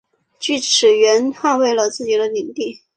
锯齿螈捍卫了自己的领地。